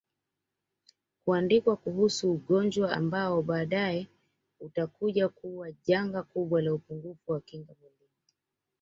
kuandikwa kuhusu ugonjwa ambao baadae utakuja kuwa janga kubwa la upungufu wa kinga mwilini